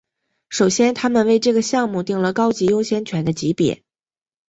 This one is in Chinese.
首先他们为这个项目订了高级优先权的级别。